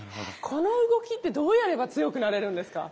この動きってどうやれば強くなれるんですか？